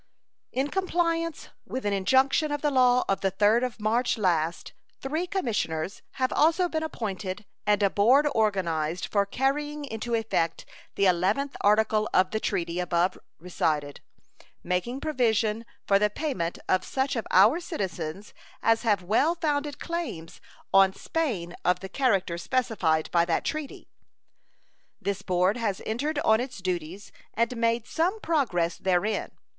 In compliance with an injunction of the law of the 3rd of March last, three commissioners have also been appointed and a board organized for carrying into effect the 11th article of the treaty above recited, making provision for the payment of such of our citizens as have well founded claims on Spain of the character specified by that treaty. This board has entered on its duties and made some progress therein.